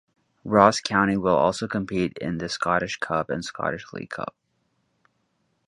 Ross County will also compete in the Scottish Cup and Scottish League Cup.